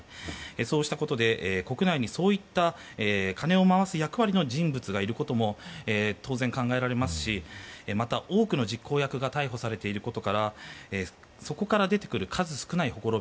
そうしたことで国内にそういった金を回す役割の人物がいることも当然、考えられますしまた、多くの実行役が逮捕されていることからそこから出てくる数少ないほころび